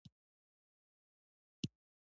اوبه د سمندر سطحې ته په جاذبه راځي.